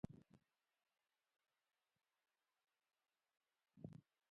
ستا په نظر جګړن په دې شپو او ورځو کې څه ډول دی؟